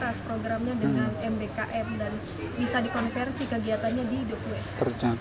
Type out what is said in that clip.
ras programnya dengan mbkm dan bisa dikonversi kegiatannya di dua puluh s